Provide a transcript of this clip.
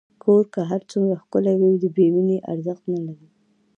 کور که هر څومره ښکلی وي، بېمینې ارزښت نه لري.